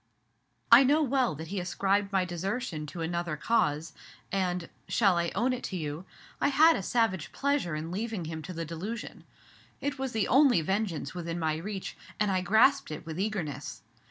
"I know well that he ascribed my desertion to another cause, and shall I own it to you? I had a savage pleasure in leaving him to the delusion. It was the only vengeance within my reach, and I grasped it with eagerness.